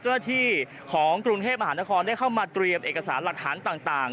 เจ้าหน้าที่ของกรุงเทพมหานครได้เข้ามาเตรียมเอกสารหลักฐานต่าง